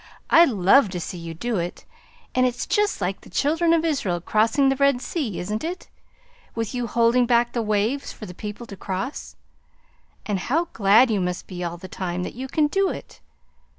"I love to see you do it and it's just like the Children of Israel crossing the Red Sea, isn't it? with you holding back the waves for the people to cross. And how glad you must be all the time, that you can do it!